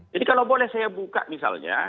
jadi kalau boleh saya buka misalnya